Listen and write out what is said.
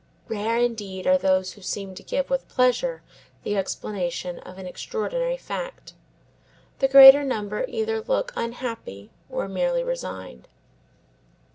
Rare, indeed, are those who seem to give with pleasure the explanation of an extraordinary fact. The greater number either look unhappy or merely resigned.